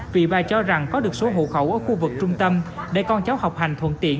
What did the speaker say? vì bà cho rằng có được số hộ khẩu ở khu vực trung tâm để con cháu học hành thuận tiện